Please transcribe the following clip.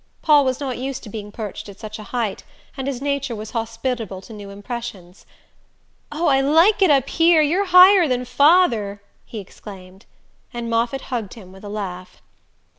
Paul was not used to being perched at such a height, and his nature was hospitable to new impressions. "Oh, I like it up here you're higher than father!" he exclaimed; and Moffatt hugged him with a laugh.